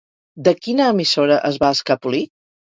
De quina emissora es va escapolir?